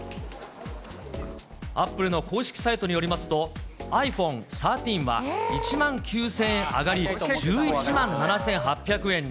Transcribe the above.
アップルの公式サイトによりますと、ｉＰｈｏｎｅ１３は１万９０００円上がり、１１万７８００円に。